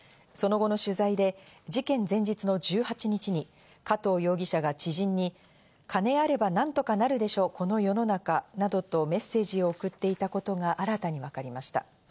その後の取材で事件前日の１８日に加藤容疑者が知人に「金あれば何とかなるでしょうこの世の中」などとメッセージを送っていたことが新たに分かりました。